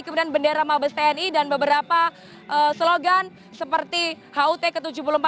kemudian bendera mabes tni dan beberapa slogan seperti hut ke tujuh puluh empat